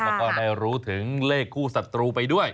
แล้วก็ได้รู้ถึงเลขคู่ศัตรูไปด้วย